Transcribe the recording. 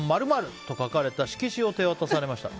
○○と書かれた色紙を手渡されました。